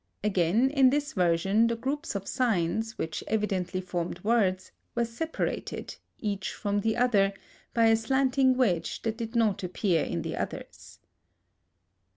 Again, in this version the groups of signs, which evidently formed words, were separated, each from the other, by a slanting wedge which did not appear in the others.